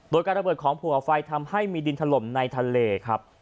โดยการระเบิดของผัวไฟทำให้มีดินถล่มในทะเลครับ